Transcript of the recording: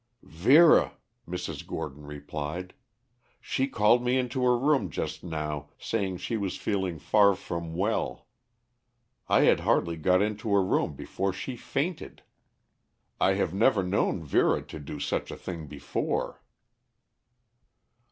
"Vera," Mrs. Gordon replied. "She called me into her room just now saying she was feeling far from well. I had hardly got into her room before she fainted. I have never known Vera do such a thing before."